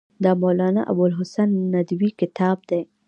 دا مولانا ابوالحسن ندوي کتاب دی.